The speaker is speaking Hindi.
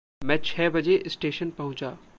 मैं छः बजे स्टेशन पहुँचा।